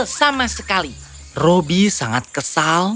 robi masih kesal